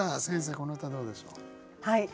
この歌どうでしょう？